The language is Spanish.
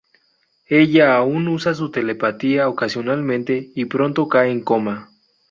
Ella aún usa su telepatía ocasionalmente, y pronto cae en coma.